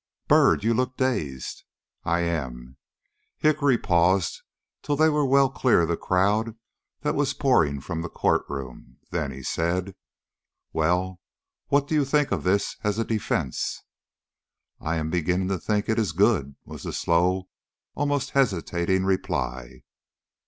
"BYRD, you look dazed." "I am." Hickory paused till they were well clear of the crowd that was pouring from the court room; then he said: "Well, what do you think of this as a defence?" "I am beginning to think it is good," was the slow, almost hesitating, reply.